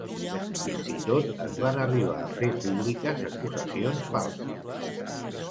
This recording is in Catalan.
Fins i tot, es van arribar a fer públiques acusacions falses.